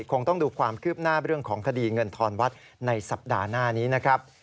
คงต้องดูความคืบหน้าเรื่องของคดีเงินทอนวัดในสัปดาห์หน้านี้นะครับ